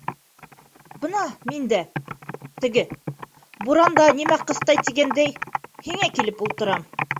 Бына мин дә... теге... буранда нимә ҡыҫтай тигәндәй... һиңә килеп ултырам...